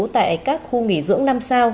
tại các khu nghỉ dưỡng năm sao